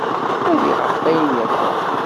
Nadi ɣef wayen yeḍran.